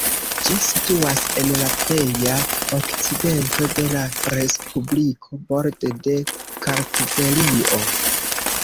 Ĝi situas en la pleja okcidento de la respubliko, borde de Kartvelio.